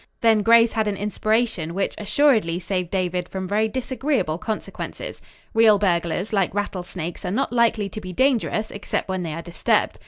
Then Grace had an inspiration, which assuredly saved David from very disagreeable consequences. Real burglars, like rattlesnakes, are not likely to be dangerous except when they are disturbed.